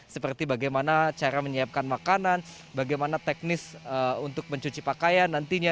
seperti bagaimana cara menyiapkan makanan bagaimana teknis untuk mencuci pakaian nantinya